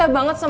aku mau ngerti